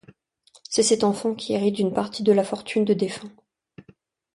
C'est cet enfant qui hérite d'une partie de la fortune de défunt.